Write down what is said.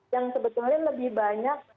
yang sebetulnya lebih banyak